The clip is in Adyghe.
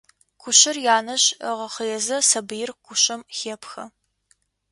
Кушъэр янэжъ ыгъэхъыезэ, сабыир кушъэм хепхэ.